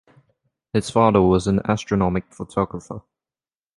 His father was an astronomic photographer.